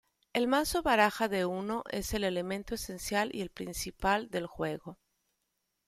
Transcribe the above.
El mazo o baraja de Uno es el elemento esencial y principal del juego.